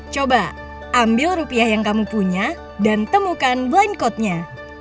coba ambil rupiah yang kamu punya dan temukan blind code nya